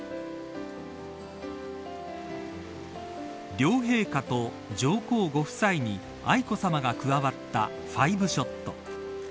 両陛下と上皇ご夫妻に愛子さまが加わった５ショット。